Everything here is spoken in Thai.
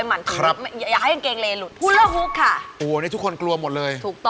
อันนี้กางเกงเล